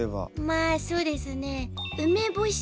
まあそうですね